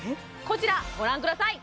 こちらご覧ください！